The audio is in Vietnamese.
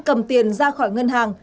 cầm tiền ra khỏi ngân hàng